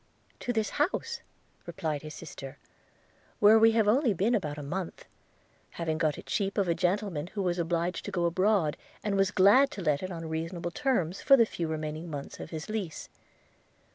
'To this house,' replied his sister, 'where we have only been about a month; having got it cheap of a gentleman who was obliged to go abroad, and was glad to let it on reasonable terms, for the few remaining months of his lease.